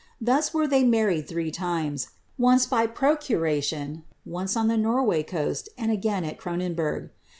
Thus were they married throe limes — once by procuration, once on the Norway coast, and again at Cronenburg.